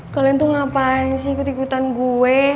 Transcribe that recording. kalian tuh ngapain sih ikut ikutan gue